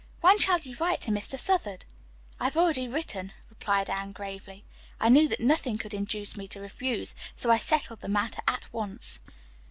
When shall you write to Mr. Southard?" "I have already written," replied Anne gravely. "I knew that nothing could induce me to refuse, so I settled the matter at once."